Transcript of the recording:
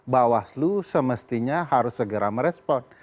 bawah seluruh semestinya harus segera merespon